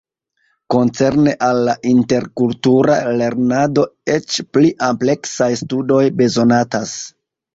Koncerne al la interkultura lernado eĉ pli ampleksaj studoj bezonatas.